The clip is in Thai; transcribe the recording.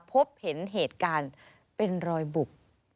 พบเห็นเหตุการณ์เป็นรอยบุบ